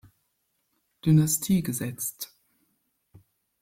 Dynastie gesetzt.